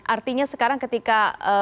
artinya sekarang ketika